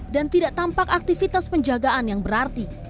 dan tidak tampak aktivitas penjagaan yang berarti